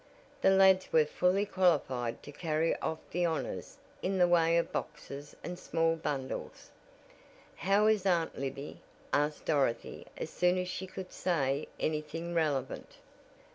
The lads were fully qualified to carry off the honors in the way of boxes and small bundles. "How is Aunt Libby?" asked Dorothy as soon as she could say anything relevant.